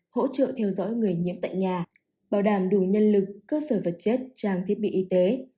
hỗ trợ theo dõi người nhiễm tại nhà bảo đảm đủ nhân lực cơ sở vật chất trang thiết bị y tế